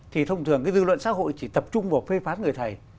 thì thông thường cái dư luận xã hội chỉ tập trung vào phê phán người thầy